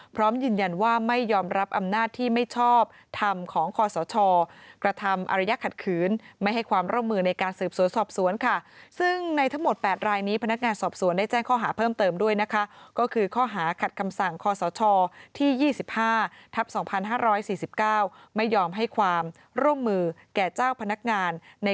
พร้อมยืนยันว่าไม่ยอมรับอำนาจที่ไม่ชอบธรรมของคอสเชา